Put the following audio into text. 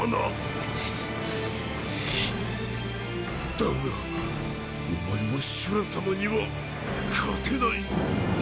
だがお前もシュラさまには勝てない。